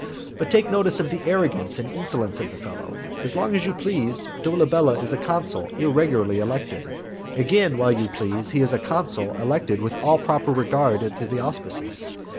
But take notice of the arrogance and insolence of the fellow. As long as you please, Dolabella is a consul irregularly elected; again, while you please, he is a consul elected with all proper regard to the auspices.